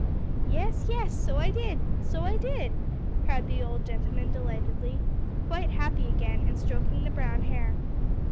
"Yes, yes, so I did so I did," cried the old gentleman delightedly, quite happy again, and stroking the brown hair.